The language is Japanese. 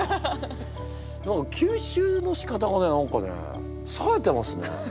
何か吸収のしかたがね何かねさえてますね。